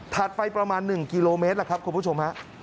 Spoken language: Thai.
ถาดไฟประมาณ๑กิโลเมตรครับคุณผู้ชม